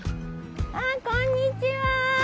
あこんにちは。